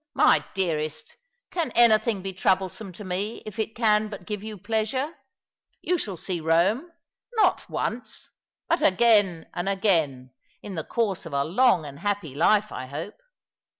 My dearest, can anything bo troublesome to me if it can but give you pleasure ? You shall see Eome — not once — but again and again, in the course of a long and happy life, I hope.